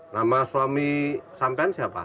nama suami sampen siapa